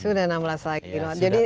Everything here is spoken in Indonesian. sudah enam belas lagi